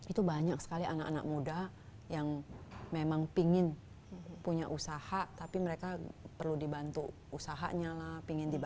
itu banyak sekali anak anak muda yang memang pingin punya usaha tapi mereka perlu dibantu usahanya lah